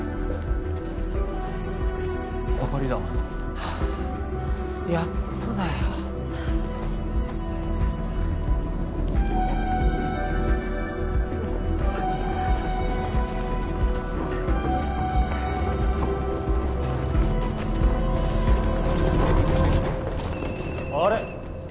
明かりだはあやっとだよあれ？